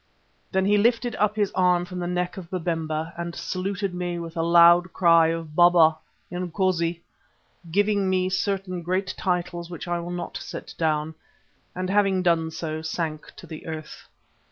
Then he lifted up his arm from the neck of Babemba, and saluted me with a loud cry of Baba! Inkosi! giving me certain great titles which I will not set down, and having done so sank to the earth.